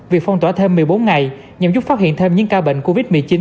việc phong tỏa thêm một mươi bốn ngày nhằm giúp phát hiện thêm những ca bệnh covid một mươi chín